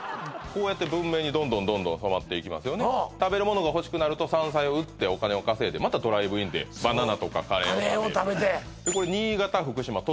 こうやって文明にどんどんどんどん染まっていきますよね食べるものが欲しくなると山菜を売ってお金を稼いでまたドライブインでバナナとかカレーを食べてこれ新潟福島